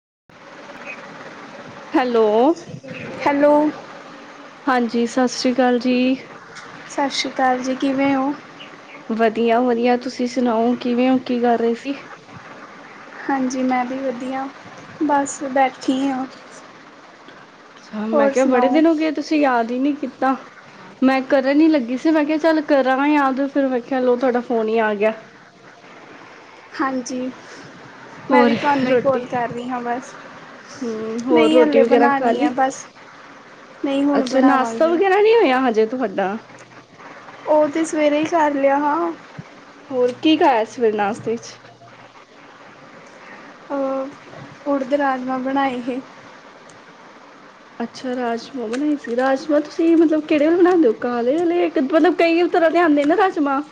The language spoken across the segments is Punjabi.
[inaudible] ਹੈਲੋ ਹੈਲੋ ਜੀ ਸਸ ਰੀ ਅਕਾਲ ਜੀ। ਸਸ ਰੀ ਕਾਲ ਜੀ, ਕਿਵੇਂ ਓ? ਵਧੀਆ-ਵਧੀਆ, ਤੁਸੀਂ ਸੁਣਾਓ ਕਿਵੇਂ ਓ, ਕੀ ਕਰ ਰਹੇ ਸੀ? ਹਾਂਜੀ ਮੈਂ ਵੀ ਵਧੀਆ, ਬਸ ਬੈਠੀ ਆ। ਅੱਛਾ ਮੈਂ ਕਿਹਾ ਬੜੇ ਦਿਨ ਹੋ ਗਏ, ਤੁਸੀਂ ਯਾਦ ਈ ਨੀ ਕੀਤਾ। ਮੈਂ ਕਰਨ ਈ ਲੱਗੀ ਸੀ, ਮੈਂ ਕਿਹਾ ਚੱਲ ਕਰਾਂ ਯਾਦ ਫਿਰ ਮੈਂ ਕਿਹਾ, ਲੋ ਤੁਹਾਡਾ ਫੋਨ ਈ ਆ ਗਿਆ। ਹਾਂਜੀ, ਮੈਂ ਹੋਰ ਵੀ ਤੁਹਾਨੂੰ ਈ ਰੋਟੀ ਕੋਲ ਕਰ ਰਹੀ ਆ ਬਸ। ਹੂੰ ਹੋਰ ਨਹੀਂ ਰੋਟੀ ਹਲੇ ਵਗੈਰਾ ਖਾ ਬਣਾਉਣੀ ਲੀ। ਹੈ ਬਸ ਨਹੀਂ ਹੁਣ ਅੱਛਾ, ਨਾਸ਼ਤਾ ਬਣਾਵਾਂਗੀ ਵਗੈਰਾ ਨਹੀ ਹੋਇਆ ਹਜੇ ਤੁਹਾਡਾ। ਉਹ ਤੇ ਸਵੇਰੇ ਈ ਕਰ ਲਿਆ ਹਾ। ਹੋਰ ਕੀ ਖਾਇਆ ਸਵੇੇਰੇ ਨਾਸਤੇ ਚ। ਉੜਦ ਰਾਜਮਾ ਬਣਾਏ ਹੇ। ਅੱਛਾ ਰਾਜਮਾਂ ਬਣਾਏ ਸੀ, ਰਾਜਮਾਂ ਤੁਸੀਂ ਮਤਲਬ ਕਿਹੜੇ ਵਾਲੇ ਬਣਾਂਦੇ ਓ ਕਾਲੇ ਵਾਲੇ ਮਤਲਬ ਕਈ ਤਰ੍ਹਾਂ ਦੇ ਆਂਦੇ ਨੇ ਰਾਜਮਾਂਹ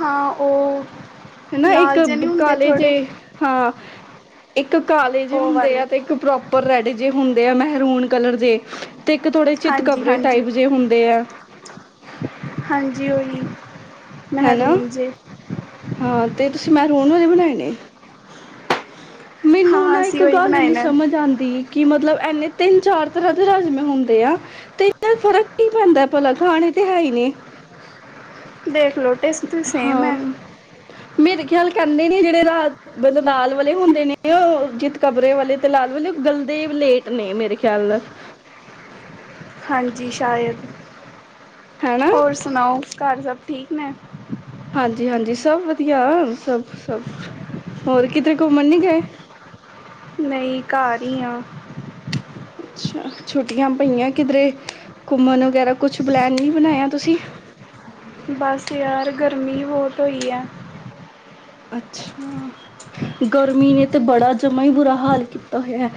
ਹਾਂ ਉਹ ਹਨਾ ਇੱਕ ਲਾਲ ਜਿਹੇ ਨਹੀਂ ਹੁੰਦੇ ਕਾਲੇ ਜੇ ਥੋੜ੍ਹੇ ਹਾਂ ਇੱਕ ਕਾਲੇ ਜੇ ਉਹ ਹੁੰਦੇ ਆ, ਵਾਲੇ ਤੇ ਇੱਕ ਪ੍ਰੋਪਰ ਰੈਡ ਜੇ ਹੁੰਦੇ ਆ ਮਹਰੂਨ ਕਲਰ ਜੇ ਤੇ ਇੱਕ ਥੋੜੇ ਚਿਤ ਹਾਂਜੀ ਕਬਰੇ ਹਾਂਜੀ ਟਾਈਪ ਜੇ ਹੁੰਦੇ ਆ। ਹਾਂਜੀ ਉਹੀ, ਹਨਾ ਮਹਿਰੂਮ ਜੇ ਹਾਂ ਤੇ ਤੁਸੀਂ ਮੈਹਰੂਣ ਵਾਲੇ ਬਣਾਏ ਨੇ। ਮੈਨੂੰ ਹਾਂ ਨਾ ਇੱਕ ਅਸੀਂ ਉਹੀ ਗੱਲ ਬਣਾਏ ਨੀ ਨੇ ਸਮਝ ਆਂਦੀ ਕਿ ਮਤਲਬ ਇਨੇ ਤਿੰਨ ਚਾਰ ਤਰ੍ਹਾਂ ਦੇ ਰਾਜਮੇ ਹੁੰਦੇ ਆ, ਤੇ ਫਰਕ ਕੀ ਪੈਂਦਾ ਭਲਾ ਖਾਣੇ ਤੇ ਹੈ ਹੀ ਨੇ। [inaudible] ਦੇਖ ਲੋ ਟੇਸਟ ਸੇਮ ਹਾਂ ਐ। ਮੇਰੇ ਖਿਆਲ ਕਹਿੰਦੇ ਨੇ ਜਿਹੜੇ ਲਾ ਲਾਲ ਵਾਲੇ ਹੁੰਦੇ ਨੇ, ਉਹ ਚਿਤ ਕਬਰੇ ਵਾਲੇ ਤੇ ਲਾਲ ਮਤਲਬ ਗਲਦੇ ਲੇਟ ਨੇ ਮੇਰੇ ਖਿਆਲ ਹਾਂਜੀ ਸ਼ਾਇਦ, ਹੈਨਾ ਹੋਰ ਸੁਣਾਓ ਘਰ ਸਭ ਠੀਕ ਨੇ? ਹਾਂਜੀ-ਹਾਂਜੀ ਸਭ ਵਧੀਆ ਸਭ-ਸਭ। ਹੋਰ ਕਿਤੇ ਘੁੰਮਣ ਨੀ ਗਏ? ਨਈ ਘਰ ਈ ਆ। ਅੱਛਾ ਛੁੱਟੀਆਂ ਪਈਆਂ ਕਿਧਰੇ ਘੁੰਮਣ ਵਗੈਰਾ ਕੁਛ ਪਲੈਨ ਨੀ ਬਣਾਇਆ ਤੁਸੀਂ? ਬਸ ਯਾਰ ਗਰਮੀ ਬਹੁਤ ਹੋਈ ਐ। ਅੱਛਾ ਗਰਮੀ ਨੇ ਤੇ ਬੜਾ ਜਮਾ ਈ ਬੁਰਾ ਹਾਲ ਕੀਤਾ ਹੋਇਆ।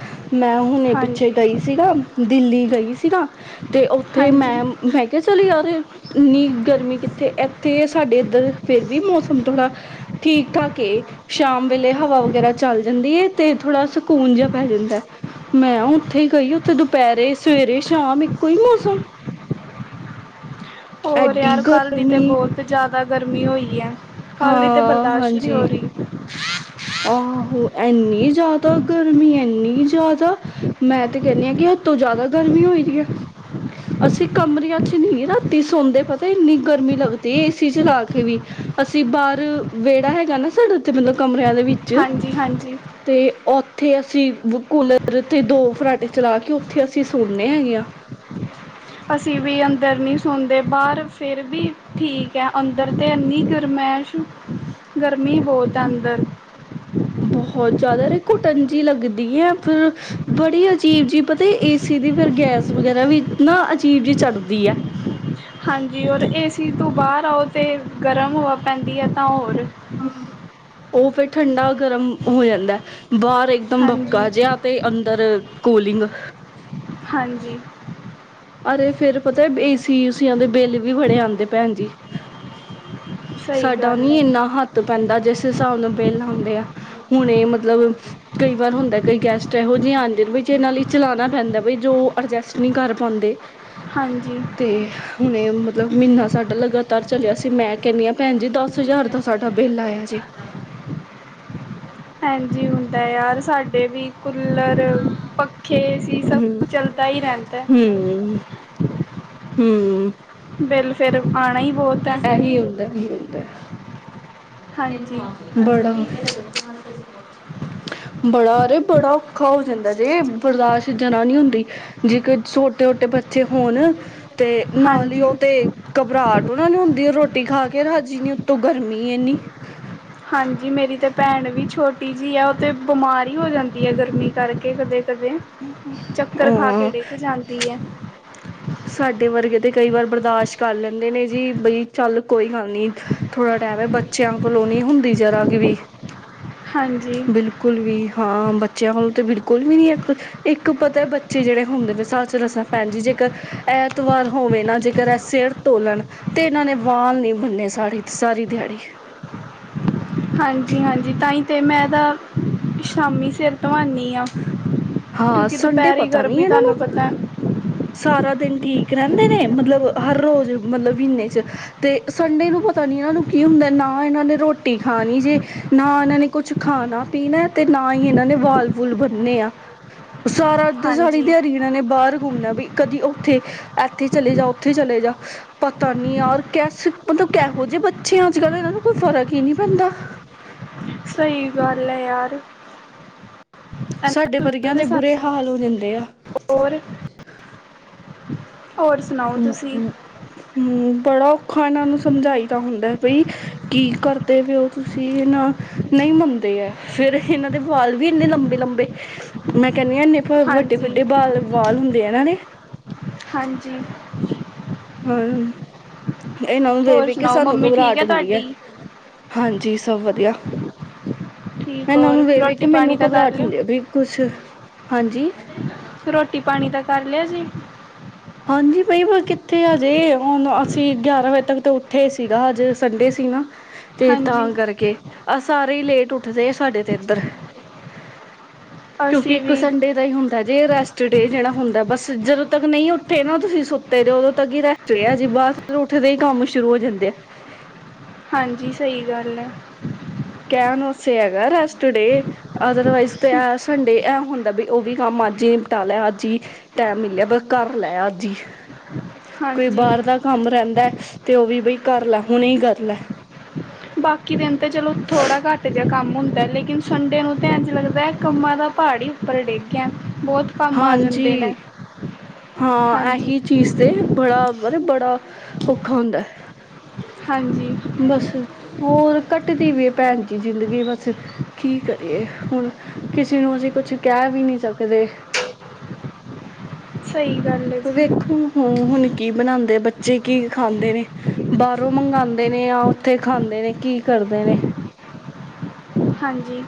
ਮੈਂ ਹੁਣੇ ਪਿੱਛੇ ਹਾਂਜੀ ਗਈ ਸੀਨਾ ਦਿੱਲੀ ਗਈ ਸੀਨਾ ਤੇ ਉੱਥੇ ਮੈਂ ਹਾਂਜੀ ਮੈਂ ਕਿਹਾ ਚਲੀ ਯਾਰ ਇੰਨੀ ਗਰਮੀ ਕਿੱਥੇ ਇੱਥੇ ਸਾਡੇ ਇੱਧਰ ਫੇਰ ਵੀ ਮੌਸਮ ਥੋੜਾ ਠੀਕ ਠਾਕ ਏ ਸ਼ਾਮ ਵੇਲੇ ਹਵਾ ਵਗੈਰਾ ਚੱਲ ਜਾਂਦੀ ਏ ਤੇ ਥੋੜ੍ਹਾ ਸਕੂਨ ਜਿਹਾ ਪੈ ਜਾਂਦਾ। ਮੈਂ ਉੱਥੇ ਹੀ ਗਈ ਉੱਥੇ ਦੁਪਹਿਰੇ ਸਵੇਰੇ ਸ਼ਾਮ ਇੱਕੋ ਈ ਮੌਸਮ। ਹੋਰ ਐਡੀ ਯਾਰ ਕੱਲ੍ਹ ਦੀ ਤਾਂ ਗਰਮੀ ਬਹੁਤ ਜ਼ਿਆਦਾ ਗਰਮੀ ਹੋਈ ਐ। ਹਾਲ ਦੀ ਤੇ ਹਾਂ ਬਰਦਾਸ਼ਤ ਈ ਨੀ ਹੋ ਹਾਂਜੀ ਰੀ। ਆਹੋ ਐਨੀ ਜ਼ਿਆਦਾ ਗਰਮੀ ਐਨੀ ਜ਼ਿਆਦਾ ਮੈਂ ਤੇ ਕਹਿੰਨੀ ਆ ਕਿ ਹੱਥੋਂ ਜ਼ਿਆਦਾ ਗਰਮੀ ਹੋਈ ਦੀ ਐ। ਅਸੀਂ ਕਮਰਿਆਂ ਚ ਨੀ ਰਾਤੀ ਸੌਂਦੇ ਪਤਾ ਇੰਨੀ ਗਰਮੀ ਲੱਗਦੀ ਏਸੀ ਚਲਾ ਕੇ ਵੀ। ਅਸੀਂ ਬਾਹਰ ਵਿਹੜਾ ਹੈਗਾ ਨਾ ਸਾਡੇ ਉੱਥੇ ਮਤਲਬ ਕਮਰਿਆਂ ਦੇ ਵਿੱਚ, ਹਾਂਜੀ ਹਾਂਜੀ ਤੇ ਓ ਉੱਥੇ ਅਸੀਂ ਕੂਲਰ ਤੇ ਦੋ ਫਰਾਟੇ ਚਲਾ ਕੇ ਉੱਥੇ ਅਸੀਂ ਸੌਨੇ ਹੈਗੇ ਆ [inaudible] ਅਸੀਂ ਵੀ ਅੰਦਰ ਨਹੀਂ ਸੌਦੇ ਬਾਹਰ ਫਿਰ ਵੀ ਠੀਕ ਹੈ ਅੰਦਰ ਤੇ ਇੰਨੀ ਗਰਮ ਐਸ਼ ਗਰਮੀ ਬਹੁਤ ਐ ਅੰਦਰ ਬਹੁਤ ਜ਼ਿਆਦਾ ਰ ਘੁਟਣ ਜਿਹੀ ਲੱਗਦੀ ਹੈ ਫਿਰ ਬੜੀ ਅਜੀਬ ਜੀ ਪਤਾ ਇਸੀ ਸੀਧੀ ਫਿਰ ਗੈਸ ਵਗੈਰਾ ਵੀ ਨਾ ਅਜੀਬ ਜਿਹੀ ਚੜ੍ਹਦੀ ਹੈ ਹਾਂਜੀ ਔਰ ਏ ਸੀ ਤੋਂ ਬਾਹਰ ਆਓ ਤਾਂ ਗਰਮ ਹਵਾ ਪੈਂਦੀ ਹੈ ਤਾਂ ਹੋਰ ਹੂੰ, ਉਹ ਫੇਿਰ ਠੰਡਾ ਗਰਮ ਹੋ ਜਾਂਦਾ ਬਾਹਰ ਇੱਕਦਮ ਹਾਂਜੀ ਭਾਪਕਾ ਜਿਹਾ ਤੇ ਅੰਦਰ ਕੂਲਿੰਗ ਹਾਂਜੀ ਅਰੇ ਫੇਰ ਪਤਾ ਏਸੀ ਯੂਸੀਆਂ ਦੇ ਬਿੱਲ ਵੀ ਬੜੇ ਆਉਂਦੇ ਭੈਣ ਜੀ ਸਹੀ ਸਾਡਾ ਗੱਲ ਨੀ ਹੈ ਜੀ ਇੰਨਾ ਹੱਥ ਪੈਂਦਾ ਜਿਸ ਹਿਸਾਬ ਨਾਲ ਬਿੱਲ ਆਉਂਦੇ ਆ ਹੁਣ ਇਹ ਮਤਲਬ ਕਈ ਵਾਰ ਹੁੰਦਾ ਕਈ ਗੈਸਟ ਇਹੋ ਜਿਹੀ ਇਹ ਨਾਲ ਹੀ ਚਲਾਉਣਾ ਪੈਂਦਾ ਬਈ ਜੋ ਅਡਜਸਟ ਨਹੀਂ ਕਰ ਪਾਉਂਦੇ ਹਾਂਜੀ ਤੇ ਹੁਣੇ ਮਤਲਬ ਮਹੀਨਾ ਸਾਡਾ ਲਗਾਤਾਰ ਚਲਿਆ ਸੀ ਮੈਂ ਕਹਿੰਨੀ ਹਾਂ ਭੈਣ ਜੀ ਦਸ ਹਜ਼ਾਰ ਦਾ ਸਾਡਾ ਬਿੱਲ ਆਇਆ ਜੀ [inaudible] ਹਾਂਜੀ ਹੁੰਦਾ ਯਾਰ ਸਾਡੇ ਵੀ ਕੂਲਰ ਪੱਖੇ ਸੀ ਹਮ ਸਭ ਚਲਦਾ ਹੀ ਰਹਿੰਦਾ ਹੈ। [inaudible] ਹੂੰ। ਹੀ ਬਹੁਤ ਹੈ ਇਹੀ ਹੁੰਦਾ ਇਹੀ ਹੁੰਦਾ ਹਾਂਜੀ ਵੜਾ ਬੜਾ ਅਰੇ ਬੜਾ ਔਖਾ ਹੋ ਜਾਂਦਾ ਜੇ ਬਰਦਾਸ਼ਤ ਜਰਾ ਨਹੀਂ ਹੁੰਦੀ ਜੇ ਛੋਟੇ ਛੋਟੇ ਬੱਚੇ ਹੋਣ ਤੇ ਨਾਲ ਹੀ ਹਾਂਜੀ ਉਹ ਤੇ ਘਬਰਾਹਟ ਉਹ ਨਾ ਨੀ ਹੁੰਦੀ ਰੋਟੀ ਖਾ ਕੇ ਰਾਜੀ ਨ ਉੱਤੋਂ ਗਰਮੀ ਇੰਨੀ ਟੀ ਛੋਟੀ ਵੀ ਆ ਉਹ ਤਾਂ ਬਿਮਾਰ ਹੀ ਹੋ ਜਾਂਦੀ ਹੈ ਗਰਮੀ ਕਰਕੇ ਕਦੇ ਕਦੇ, ਚੱਕਰ ਖਾ ਕੇ ਹਾਂ ਡਿੱਗ ਜਾਂਦੀ ਹੈ ਸਾਡੇ ਵਰਗੇ ਤੇ ਕਈ ਵਾਰ ਬਰਦਾਸ਼ਤ ਕਰ ਲੈਂਦੇ ਨੇ ਜੀ ਬਈ ਚੱਲ ਕੋਈ ਗੱਲ ਨੀ ਥੋੜਾ ਟਾਈਮ ਬੱਚਿਆਂ ਕੋਲੋਂ ਨੀ ਹੁੰਦੀ ਜਰਾ ਕਿ ਵੀ ਹਾਂਜੀ ਬਿਲਕੁਲ ਵੀ ਹਾਂ ਬੱਚਿਆਂ ਵੱਲੋਂ ਤਾਂ ਬਿਲਕੁਲ ਵੀ ਨੀ ਹੈ ਇੱਕ ਪਤਾ ਬੱਚੇ ਜਿਹੜੇ ਹੁੰਦੇ ਨੇ ਸੱਚ ਦਸਾਂ ਭੈਣ ਜੀ ਜੇਕਰ ਐਤਵਾਰ ਹੋਵੇ, ਨਾ ਜੇਕਰ ਇਹ ਸਿਰ ਤੋਲਣ ਤੇ ਇਹਨਾਂ ਨੇ ਵਾਲ ਨਹੀਂ ਬੰਨੇ ਸਾੜੀ ਤੇ ਸਾਰੀ ਦਿਹਾੜੀ [inaudible] ਹਾਂਜੀ-ਹਾਂਜੀ, ਤਾਂ ਹੀ ਤਾਂ ਮੈਂ ਤਾਂ ਸ਼ਾਮੀ ਸਿਰ ਤੋਂ ਆਦੀ ਹਾਂ ਹਾਂ ਕਿਉਂਕਿ ਸੰਡੇ ਦੁਪਹਿਰੀ ਪਤਾ ਨੀ ਗਰਮੀ ਇਹਨਾਂ ਨੂੰ ਤੁਹਾਨੂੰ ਪਤਾ ਸਾਰਾ ਦਿਨ ਠੀਕ ਰਹਿੰਦੇ ਨੇ, ਮਤਲਬ ਹਰ ਰੋਜ਼ ਮਤਲਬ ਮਹੀਨੇ ਚ ਤੇ ਸੰਡੇ ਨੂੰ ਪਤਾ ਨਹੀਂ ਇਹਨਾਂ ਨੂੰ ਕੀ ਹੁੰਦਾ ਨਾ, ਇਹਨਾਂ ਨੇ ਰੋਟੀ ਖਾਣੀ ਜੇ ਨਾ ਇਹਨਾਂ ਨੇ ਕੁੱਛ ਖਾਣਾ ਪੀਣਾ ਤੇ ਨਾ ਇਹਨਾਂ ਨੇ ਵਾਲ ਵੁਲ ਬੰਨੇ ਆ, ਉਹ ਸਾਰੀ ਹਾਂਜੀ ਦਿਹਾੜ ਇਹਨਾਂ ਨੇ ਬਾਹਰ ਘੁੰਮਣਾ ਵੀ ਕਦੀ ਉੱਥੇ ਇੱਥੇ ਚਲੇ ਜਾ ਉੱਥੇ ਚਲੇ, ਜਾ ਪਤਾ ਨੀ ਯਾਰ ਕ ਮਤਲਬ ਕੇਸੇ ਜਿਹੇ ਜੇ ਬੱਚੇ ਅੱਜ-ਕੱਲ੍ਹ ਇਹਨਾਂ ਨੂੰ ਕੋਈ ਫਰਕ ਹੀ ਨੀ ਪੈਂਦਾ ਸਹੀ ਗੱਲ ਹੈ ਯਾਰ ਸਾਡੇ ਇਹਨਾਂ ਵਰਗਿਆਂ ਦੇ ਬੁਰੇ ਸਾਨੂੰ ਹਾਲ ਹੋ ਜਾਂਦੇ ਆ ਹੋਰ ਹੋਰ ਸੁਣਾਓ ਤੁਸੀਂ? ਹਮ ਬੜਾ ਔਖਾ ਇਹਨਾਂ ਨੂੰ ਸਮਝਾਈ ਦਾ ਹੁੰਦਾ, ਬਈ ਕੀ ਕਰਦੇ ਪਓ ਤੁਸੀਂ ਇਹ ਨਾ ਨਹੀਂ ਮੰਨਦੇ ਆ ਫੇਰ ਇਹਨਾਂ ਦੇ ਵਾਲ ਵੀ ਇੰਨੇ ਲੰਬੇ-ਲੰਬੇ ਮੈਂ ਕਿਹਾ ਕਹਿੰਦੇੇ ਹਾਂਜੀ ਵੱਡੇ-ਵੱਡੇ ਬ ਵਾਲ ਹੁੰਦੇ ਹਨ ਨੇ ਹਾਂਜੀ ਹਾਂ ਇਹਨਾਂ ਨੂੰ ਹੋਰ ਵੇਖ-ਵੇਖ ਕੇ ਸੁਣਾਓ ਸਾਨੂੰ ਮੰਮੀ ਠੀਕ ਘਬਰਾਹਟ ਹੁੰਦੀ ਹੈ, ਤੁਹਾਡੀ ਹਾਂਜੀ ਸਭ ਵਧੀਆ, ਠੀਕ ਇਹਨਾਂ ਨੂੰ ਹੋਰ ਵੇ ਵੇਖ ਕੇ ਰੋਟੀ ਪਾਣੀ ਮੈਨੂੰ ਦਾ ਕਰ ਘਬਰਾਹਟ ਲਿਓ ਹੁੰਦੀ ਆ ਵੀ ਕੁਛ ਹਾਂਜੀ, ਰੋਟੀ ਪਾਣੀ ਤਾਂ ਕਰ ਲਿਆ ਜੇ, ਹਾਂਜੀ [unintelligible] ਕਿੱਥੇ ਆ ਜੇ ਹੁਣ ਅਸੀਂ ਗਿਆਰਾਂ ਵਜੇ ਤੱਕ ਤਾਂ ਉੱਠੇ ਸੀਗਾ ਅੱਜ ਸੰਡੇ ਸੀ ਨਾ, ਤੇ ਤਾਂ ਹਾਂਜੀ ਕਰਕੇ ਆ ਸਾਰੇ ਹੀ ਲੇਟ ਉੱਠਦੇ ਆ ਸਾਡੇ ਤੇ ਇੱਧਰ ਕਿਉਂਕਿ ਅਸੀਂ ਇੱਕ ਵੀ ਸੰਡੇ ਦਾ ਹੀ ਹੁੰਦਾ ਜੇ ਰੈਸਟ ਡੇ ਜਿਹੜਾ ਹੁੰਦਾ, ਬਸ ਜਦੋਂ ਤੱਕ ਨਹੀਂ ਉੱਠ ਠੇ ਨਾ ਤੁਸੀਂ ਸੁੱਤੇ ਤੇ ਉਦੋਂ ਤਕ ਹੀ ਰੈਸਟ ਰਿਹਾ ਜੇ ਬਾਚਂ ਤੇ ਉੱਠੇਦੇ ਹੀ ਕੰਮ ਸ਼ੁਰੂ ਹੋ ਜਾਂਦੇ ਆ, ਹਾਂਜੀ, ਸਹੀ ਗੱਲ ਹੈ। ਕਹਿਣ ਵਸੇ ਹੈਗਾ, ਰੈਸਟਡੇ ਅਦਰਵਾਈਜ਼ ਤੇ ਇਹ ਸੰਡੇ ਇਹ ਹੁੰਦਾ ਬੀ ਉਵੀ ਕੰਮ ਅੱਜ ਨਿਮਟਾ ਲੈ ਅੱਜ ਹੀ ਟੈਮ ਮਿਲਿਆ, ਬਸ ਕਰ ਲੈ ਅੱਜ ਹੀ। ਕੋਈ ਹਾਂਜੀ ਬਾਹਰ ਦਾ ਕੰਮ ਰਹਿੰਦਾ ਤੇ, ਉਹ ਵੀ ਬਈ ਕਰ ਲੈ ਹੁਣੇ ਹੀ ਕਰ ਲੈ। ਬਾਕੀ ਦਿਨ ਤਾਂ ਚਲੋ ਥੋੜ੍ਹਾ ਘੱਟ ਜਿਹਾ ਕੰਮ ਹੁੰਦਾ, ਲੇਕਿਨ ਸੰਡੇ ਨੂੰ ਤਾਂ ਐਂਜ ਲੱਗਦਾ ਹੈ ਕੰਮਾਂ ਦਾ ਪਾ ਪਹਾੜ ਹੀ ਉੱਪਰ ਡਿੱਗ ਗਿਆ ਬਹੁਤ ਕੰਮ ਆ ਜਾਂਦੇ ਨੇ, ਹਾਂਜੀ ਹਾਂ ਹਾਂਜੀ ਇਹੀ ਚੀਜ਼ ਤੇ ਬੜਾ ਅਰੇ ਬੜਾ ਔਖਾ ਹੁੰਦਾ ਹਾਂਜੀ ਹੈ। ਬਸ ਹੋਰ? ਕੱਟਦੀ ਪੀ ਹੈ ਭੈਣ ਜੀ ਜਿੰਦਗੀ ਬਸ ਕੀ ਕਰੀਏ ਹੁਣ ਕਿਸੇ ਨੂੰ ਅਸੀ ਕੁਛ ਕੈ ਵੀ ਨਹੀਂ ਸਕਦੇ। [inaudible] ਸਹੀ ਗੱਲ ਹੈ ਜੀ ਵੇਖੋ, ਹੁ ਹੁਣ ਕੀ ਬਣਾਦੇ ਬੱਚੇ ਕੀ ਖਾਂਦੇ ਨੇ ਬਾਹਰੋਂ ਮੰਗਾਦੇ ਨੇ ਆ ਉੱਥੇ ਖਾਂਦੇ ਨੇ ਕੀ ਕਰ। ਕਰਦੇ ਨੇ, ਹਾਂਜੀ,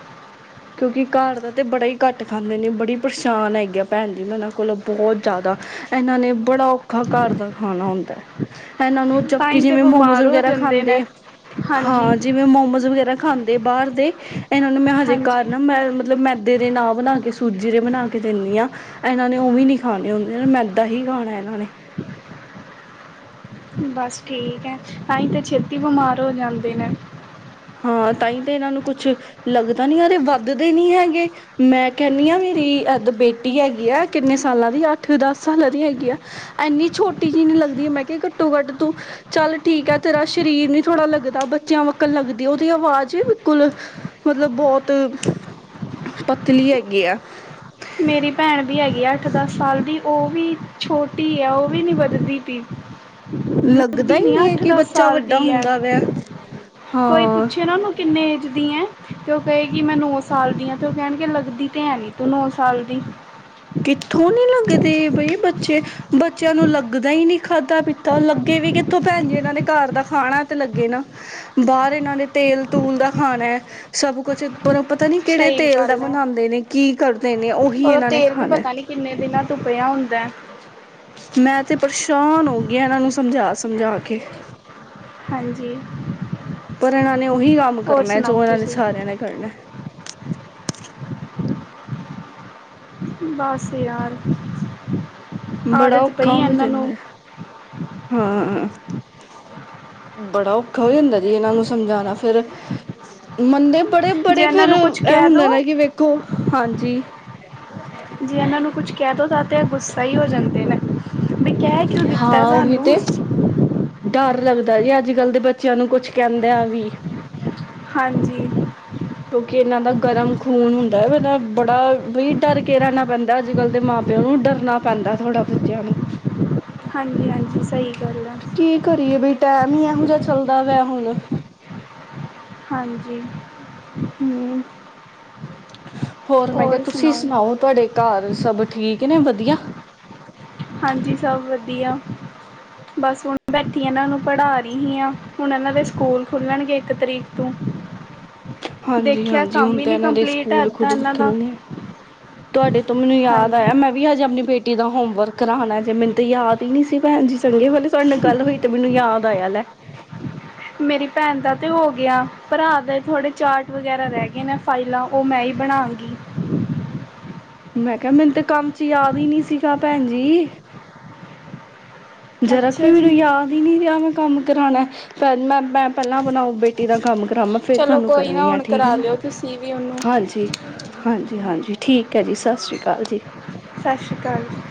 ਕਿਉਂਕਿ ਘਰ ਦਾ ਤਾਂ ਬੜਾ ਹੀ ਘੱਟ ਖਾਂਦੇ ਨੇ ਬੜੀ ਪਰਸ਼ਾਨ ਹੈਗੀਆਂ, ਭੈਣ ਜੀ ਮੈਂ ਇਹਨਾਂ ਕੋਲੋਂ ਬਹੁਤ ਜ਼ਿਆਦਾ ਇਹਨਾਂ ਨੇ ਬੜਾ ਔਖਾ ਘਰ ਦਾ ਖਾਣਾ ਹੁੰਦਾ ਹੈ। ਇਹਨਾਂ ਨੂੰ ਤਾਂ [unintelligible] ਹੀ ਤੇ ਜਿਵੇਂ ਮੋਮੋਜ ਬਿਮਾਰ ਹੋ ਵਗੈਰਾ ਜਾਂਦੇ ਨੇ ਖਾਂਦੇ ਹਾਂਜੀ ਹਾਂ ਜਿਵੇਂ ਮੋਮੋਜ ਵਗੈਰਾ, ਖਾਂਦੇ ਬਾਹਰ ਦੇ ਇਹਨਾਂ ਨੂੰ ਮੈਂ ਹਜੇ ਘਰ ਹਾਂਜੀ ਨਾ ਮੈਂ ਮਤਲਬ ਮੈਂ, ਦੇ ਦੇ ਨਾ ਬਣਾ ਕੇ ਸੂਜੀ ਦੇ ਬਣਾ ਕੇ ਦਿੰਨੀਆ ਇਹਨਾਂ ਨੇ ਉਹ ਵੀ ਨੀ ਖਾਣੇ ਹੁੰਦੇ ਮੈਦਾ ਹੀ ਖਾਣਾ [inaudible] [inaudible] ਬਸ ਠੀਕ ਹੈ, ਤਾਂ ਹੀ ਤਾਂ ਛੇਤੀ ਬਮਾਰ ਹੋ ਜਾਂਦੇ ਨੇ। ਹਾਂ ਤਾਂਹੀ ਤਾਂ ਇਹਨਾਂ ਨੂੰ ਕੁਛ ਲੱਗਦਾ ਨੀ ਹੈ, ਤੇ ਵਾਧਦੇ ਨੀ ਹੈਗੇ ਮੈਂ ਕਹਿੰਦੀ ਹਾਂ ਮੇਰੀ [inaudible] ਬੇਟੀ ਹੈਗੀ ਆ, ਕਿੰਨੇ ਸਾਲਾਂ ਦੀ ਅੱਠ ਦਸ ਸਾਲਾਂ ਦੀ ਹੈਗੀ ਆ ਇੰਨੀ ਛੋਟੀ ਜਿਹੀ ਨ ਲੱਗਦੀ ਮੈਂ ਕਿਹਾ ਘੱਟੋ ਘੱਟ ਤੂੰ ਚੱਲ ਠੀਕ ਹੈ ਤੇਰਾ ਸ਼ਰੀਰ ਨੀ ਥੋੜਾ ਲੱਗਦਾ ਬੱਚਿਆਂ ਵਕਨ ਲੱਗ ਦੀ ਉਹਦੀ ਆਵਾਜ਼ ਹੀ ਬਿਲਕੁਲ ਮਤਲਬ ਬਹੁਤ ਪਤਲੀ ਹੈਗੀ ਆ ਮੇਰੀ ਭੈਣ ਬੀ ਹੈਗੀ ਹੈ ਅੱਠ ਦਸ ਸਾਲ ਦੀ ਉਹ ਵੀ ਛੋਟੀ ਹੈ ਉਹ ਵੀ ਨੀ ਵਧਦੀ ਪੀ ਲੱਗਦਾ ਲਗਦੀ ਹੀ ਨੀ ਨਹੀਂ ਹੈ ਅੱਠ ਕਿ ਦਸ ਬੱਚਾ ਸਾਲ ਵੱਡਾ ਦੀ ਐ ਹੁੰਦਾ ਪਿਆ ਕੋਈ ਹਾਂ ਪੁੱਛੇ ਨਾ ਉਹਨੂੰ ਕਿੰਨੇ ਏਜ ਦੀ ਐ ਤੇ ਉਹ ਕਹੇਗੀ ਮੈਂ ਨੌ ਸਾਲ ਦੀ ਆ ਤੇ ਉਹ ਕੈਨਗੇ ਲੱਗਦੀ ਤੇ ਹੈ ਨੀ ਤੂੰ ਨੌਂ ਸਾਲ ਦੀ ਕਿੱਥੋਂ ਨੀ ਲੱਗਦੇ ਬਈ ਬੱਚੇ ਬੱਚਿਆਂ ਨੂੰ ਲੱਗਦਾ ਹੀ ਨਹੀਂ ਖਾਧਾ ਪੀਤਾ ਲੱਗੇ ਵੀ ਕਿ ਕਿਥੌ ਭੈਣ ਜੀ ਇਹਨਾਂ ਨੇ ਘਾਰ ਦਾ ਖਾਣਾ ਤੇ ਲੱਗੇ ਨਾ ਬਾਹਰ ਇਹਨਾਂ ਨੇ ਤੇਲ ਤੂਲ ਦਾ ਖਾਣਾ ਐ ਸਭ ਕੁਛ [unintelligible] ਪਤਾ ਨੀ ਕਿਹੜੇ ਸਹੀ ਤੇਲ ਦਾ ਗੱਲ ਹੈ ਬਨਾਂਦੇ ਨੇ ਕੀ ਕਰਦੇ ਨੇ ਉਹੀ ਇਹਨਾਂ ਨੇ ਫਿਰ ਵੀ ਖਾਣਾ ਪਤਾ ਨੀ ਕਿੰਨੇ ਦਿਨਾਂ ਤੌ ਪਿਆ ਹੁੰਦਾ ਐ ਮੈਂ ਤੇ ਪਰਸ਼ਾਨ ਹੋ ਗਈ ਇਹਨਾਂ ਨੂੰ ਸਮਝਾ ਸਮਝਾ ਕੇ ਹਾਂਜੀ ਪਰ ਇਹਨਾਂ ਨੇ ਉਹੀ ਕੰਮ ਹੋਰ ਕਰਨਾ ਸੁਣਾਓ ਜੋ ਇਹਨਾਂ ਨੇ ਤੁਸੀਂ ਸਾਰਿਆਂ ਨੇ ਕਰਨਾ ਬਸ ਯਾਰ ਬੜਾ ਆਦਤ ਪਈ ਔਖਾ ਹੋ ਇਹਨਾਂ ਨੂੰ ਜਾਂਦਾ ਹਾਂ ਬੜਾ ਔਖਾ ਹੋ ਜਾਂਦਾ ਜੀ ਇਹਨਾਂ ਨੂੰ ਸਮਝਾਉਣਾ ਫੇਰ ਮੰਨਦੇ ਬੜੇ ਜੇ ਬੜੇ ਇਹਨਾਂ ਫੇਿਰ ਨੂੰ ਕੁਛ ਐਹ ਕਹਿ ਹੁੰਦਾ ਦੋ ਨਾ ਕਿ ਵੇਖੋ ਹਾਂਜੀ ਜੇ ਇਹਨਾਂ ਨੂੰ ਕੁਝ ਕਹਿ ਦੋ ਤਾਂ ਤੇ ਗੁੱਸਾ ਹੀ ਹੋ ਜਾਂਦੇ ਨੇ ਵੀ ਕਹਿ ਕਿਉਂ [unintelligible] ਦਿੱਤਾ ਹਾਂ ਉ ਸਾਨੂੰ ਦਾ ਜੇ ਅੱਜ ਕੱਲ ਦੇ ਬੱਚਿਆਂ ਨੂੰ ਕੁਛ ਕਹਿੰਦੇਆ ਵੀ ਹਾਂਜੀ, ਕਿਉਂਕਿ ਇਹਨਾਂ ਦਾ ਗਰਮ ਖੂਨ ਹੁੰਦਾ ਹੈ ਮਤਲਬ [unintelligible] ਬੜਾ ਬ ਡਰ ਕੇ ਰਹਿਣਾ ਪੈਂਦਾ ਅੱਜ ਕੱਲ੍ਹ ਦੇ ਮਾਂ ਪਿ ਉਹਨੂੰ ਡਰਨਾ ਪੈਂਦਾ ਥੋੜਾ ਬੱਚਿਆਂ ਨੂੰ ਹਾਂਜੀ- ਹਾਂਜੀ ਸਹੀ ਗੱਲ ਆ ਨੀ ਇਹੋ ਜਿਹਾ ਚੱਲਦਾ ਵੈ ਹੁਣ ਹਾਂਜੀ ਹਮ ਹੋਰ ਮੈਂ ਕਿਹਾ ਤੁਸੀਂ ਸੁਣਾਓ ਤੁਹਾਡੇ ਘਰ ਸਭ ਠੀਕ ਨੇ ਵਧੀਆ ਹਾਂਜੀ ਸਭ ਵਧੀਆ ਬਸ ਹੁਣ ਬੈਠੀ ਇਹਨਾਂ ਨੂੰ ਪੜ੍ਹਾ ਰਹੀ ਹੀ ਹਾਂ ਹੁਣ ਇਹਨਾਂ ਦੇ ਸਕੂਲ ਖੁੱਲਣਗੇ ਇੱਕ ਤਰੀਕ ਤੋਂ ਹ [unintelligible] ਹਾਂਜੀ- ਹਾਂਜੀ ਹੁਣ ਤਾਂ ਇਹਨਾਂ ਦੇ ਹੈ ਸਕੂਲ ਖੁਲ ਤਾਂ ਇਹਨਾਂ ਖੇ ਦਾ ਆ [unintelligible] ਤੁਹਾਡੇ ਤੋਂ ਮੈਨੂੰ ਯਾਦ ਹਾਂਜੀ ਆਇਆ ਮੈਂ ਵੀ ਹਜੇ ਆਪਣੀ ਬੇ ਏਦਾ ਹੋਮ ਵਰਕ ਕਰਾਣਾ ਜੇ ਮੈਨੂੰ ਤਾਂ ਯਾਦ ਹੀ ਨੀ ਸੀ ਭੈਣ ਜੀ ਚੰਗੇ ਵਾਲੇ ਤੁਹਾਡੇ ਨਾਲ ਗੱਲ ਹੋਈ ਤੇ ਮੈਨੂੰ ਯਾਦ ਆਇਆ ਲੈ ਹ [unintelligible] ਮੇਰੀ ਭੈਣ ਦਾ ਤਾਂ ਹੋ ਗਿਆ ਭਰਾ ਦੇ ਥੋੜ੍ਹੇ ਚਾਰਟ ਵਗੈਰਾ ਰਹਿ ਗਏ ਨੇ ਫਾਈਲਾਂ ਉਹ ਮੈਂ ਈ ਬ ਬਣਾਗੀ ਮੈਂ ਕਿਹਾ ਮੈਨੂੰ ਤੇ ਕੰਮ ਚ ਯਾਦ ਹੀ ਨਹੀ ਸੀਗਾ ਭੈਣ ਜੀ ਜਰਕ ਅੱਛਾ ਵੀ ਮੈਨੂੰ ਜੀ। ਯਾਦ ਹੀ ਨਹੀਂ ਰਿਹਾ [unintelligible] ਕੰਮ ਕਰਾਨਾ ਪਹਿਲਾਂ ਬਣਾਓ ਬੇਟੀ ਦਾ ਕੰਮ ਕਮ ਫੇਰ ਚਲੋ ਤੁਹਾਨੂੰ ਕੋਈ ਨਾ ਕਰਨੀ ਆ ਹੁਣ ਠੀਕ ਹੈ ਕਰਾ ਨਾ ਲਿਓ ਤੁਸੀਂ ਵੀ ਉਹਨੂੰ। ਹਾਂਜੀ ਹਾਂਜੀ- ਹਾਂਜੀ ਠੀਕ ਹੈ ਜੀ ਸਤਿ ਸ਼੍ਰੀ ਕਾਲ ਜੀ ਸਤਿ ਸ਼੍ਰੀ ਕਾਲ ਜੀ